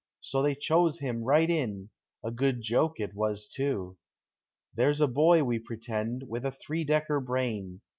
So they chose him right in, — a good joke it was too! There's a boy, we pretend, with a three decker brain.